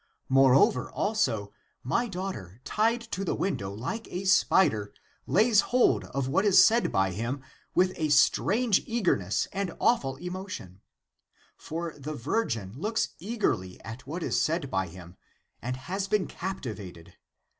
Moreover, also, my 18 So the Coptic. l8 THE APOCRYPHAL ACTS daughter, tied to the window like a spider, lays hold of what is said by him with a strange eagerness and awful emotion. For the virgin looks eagerly at what is said by him, and has been captivated.